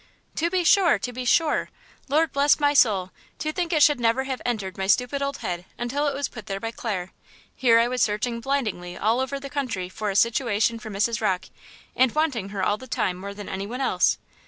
"To be sure; to be sure! Lord bless my soul! to think it should never have entered my stupid old head until it was put there by Clare! Here I was searching blindingly all over the country for a situation for Mrs. Rocke, and wanting her all the time more than any one else!